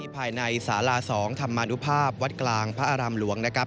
ภายในศาลาสองธรรมนุภาพวัดกลางพระอารามหลวง